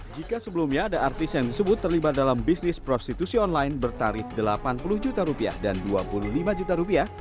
jika sebelumnya ada artis yang disebut terlibat dalam bisnis prostitusi online bertarif delapan puluh juta rupiah dan dua puluh lima juta rupiah